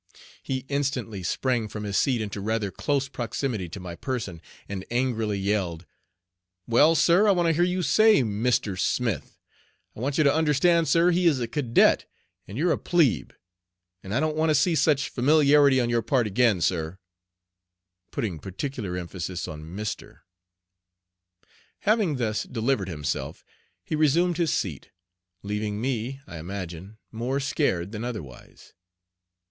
He instantly sprang from his seat into rather close proximity to my person and angrily yelled: "Well, sir, I want to hear you say 'Mr. Smith.' I want you to understand, sir, he is a cadet and you're a 'plebe,' and I don't want to see such familiarity on your part again, sir," putting particular emphasis on "Mr." Having thus delivered himself he resumed his seat, leaving me, I imagine, more scared than otherwise.